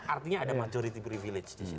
artinya ada majority privilege disitu